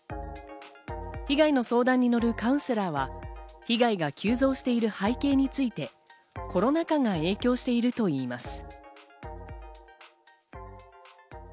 被害の相談にのるカウンセラーは被害が急増している背景について、コロナ禍が影響しているといいます。